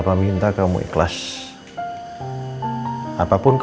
nanti aku akan berada di rumahnya